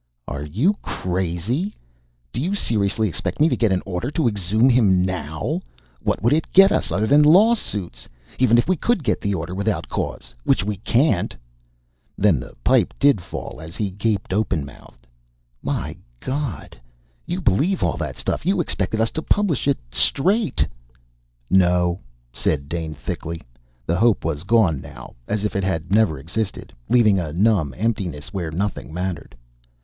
"Are you crazy? Do you seriously expect me to get an order to exhume him now? What would it get us, other than lawsuits? Even if we could get the order without cause which we can't!" Then the pipe did fall as he gaped open mouthed. "My God, you believe all that stuff. You expected us to publish it straight!" "No," Dane said thickly. The hope was gone now, as if it had never existed, leaving a numb emptiness where nothing mattered.